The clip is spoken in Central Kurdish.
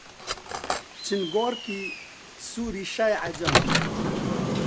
چنگۆڕکی سووری شای عەجەم...